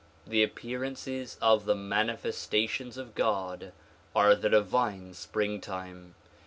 The appearances of the manifestations of God are the divine springtime.